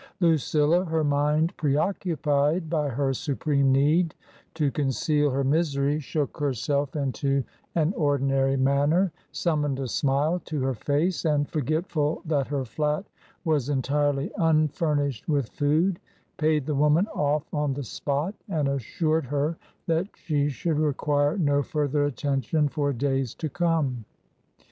Lucilla, her mind preoccupied by her supreme need to conceal her misery, shook her 300 TRANSITION, self into an ordinary manner, summoned a smile to her face, and, forgetful that her flat was entirely unfurnished with food, paid the woman off on the spot, and assured her that she should require no further attention for days to come.